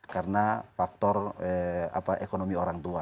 karena faktor apa ekonomi orang tua